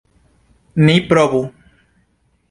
Ni provu!